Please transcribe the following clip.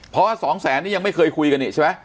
เพราะว่า๒แสนนี่ยังไม่เคยคุยกันอีกใช่ไหม